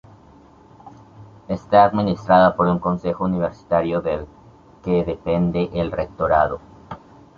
Está administrada por un Consejo Universitario del que depende el rectorado.